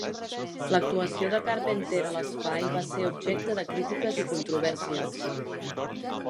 L'actuació de Carpenter a l'espai va ser objecte de crítiques i controvèrsies.